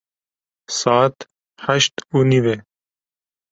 Saet heşt û nîv e.